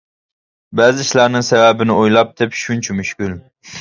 بەزى ئىشلارنىڭ سەۋەبىنى ئويلاپ تېپىش شۇنچە مۈشكۈل.